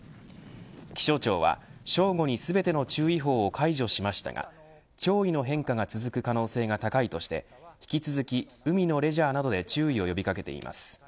気象庁は、正午に全ての注意報を解除しましたが潮位の変化が続く可能性が高いとして引き続き、海のレジャーなどで注意を呼び掛けています。